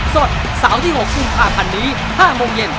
สดเสาร์ที่๖กุมภาพันธ์นี้๕โมงเย็น